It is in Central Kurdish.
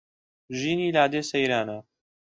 ژینی لادێ سەیرانە